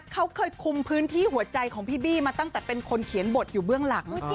เขาเคยคุมพื้นที่หัวใจของพี่บี้มาตั้งแต่เป็นคนเขียนบทอยู่เบื้องหลัง